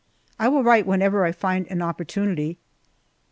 I will write whenever I find an opportunity.